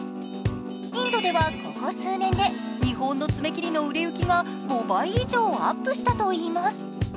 インドではここ数年で日本の爪切りの売れ行き５倍以上アップしたといいます。